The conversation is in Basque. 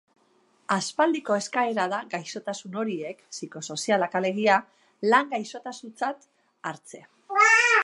Aspaldiko eskaera da gaixotasun horiek, psikosozialak alegia, lan gaixotasuntzat hartzea.